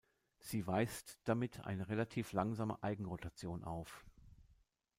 Sie weist damit eine relativ langsame Eigenrotation auf.